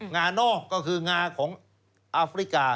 งานอกก็คืองาของอาฟริกา